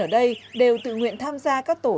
ở đây đều tự nguyện tham gia các tổ